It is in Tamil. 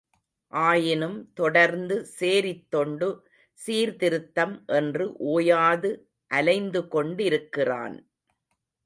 ஆயினும் தொடர்ந்து சேரித் தொண்டு, சீர்திருத்தம் என்று ஓயாது அலைந்துகொண்டிருக்கிறான்.